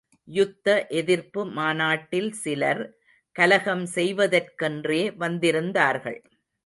யுத்த எதிர்ப்பு மாநாட்டில் சிலர், கலகம் செய்வதற்கென்றே வந்திருந்தார்கள்.